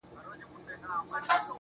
د ساغورث سختې قضيې، راته راوبهيدې_